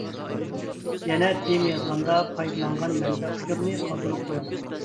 يەنە تېما يازغاندا پايدىلانغان مەنبە ئۇچۇرىنى قالدۇرۇپ قويۇڭ.